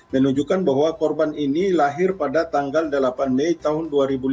menunjukkan bahwa korban ini lahir pada tanggal delapan mei tahun dua ribu lima belas